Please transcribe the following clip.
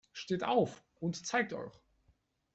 Steht auf und zeigt euch!